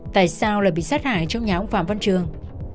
tại sao lại bị sát hại trong nhà ông phạm văn trường